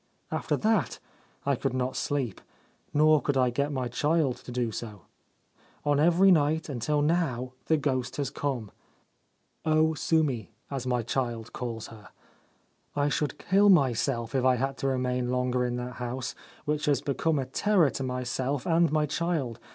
After that I could not sleep ; nor could I get my child to do so. On every night until now the ghost has come — O Sumi, 255 Ancient Tales and Folklore of Japan as my child calls her. I should kill myself if I had to remain longer in that house, which has become a terror to myself and my child.